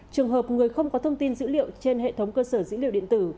trường hợp người không có thông tin dữ liệu trên hệ thống cơ sở dữ liệu điện tử